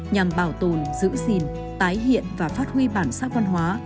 nhằm bảo tồn giữ gìn tái hiện và phát huy bản sắc văn hóa